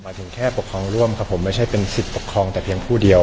ถึงแค่ปกครองร่วมครับผมไม่ใช่เป็นสิทธิ์ปกครองแต่เพียงผู้เดียว